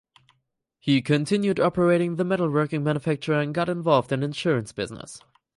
He continued operating the metalworking manufacture and got involved in insurance business.